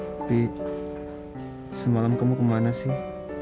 tapi semalam kamu kemana sih